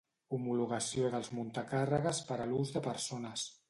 Homologació dels muntacàrregues per a l'ús de persones.